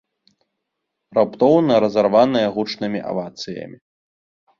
Раптоўна разарваная гучнымі авацыямі.